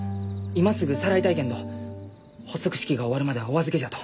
今すぐさらいたいけんど発足式が終わるまではお預けじゃと。